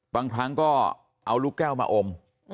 บางครั้งก็เอาลูกแก้วมาอม